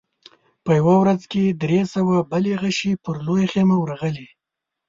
په يوه ځل درې سوه بلې غشې پر لويه خيمه ورغلې.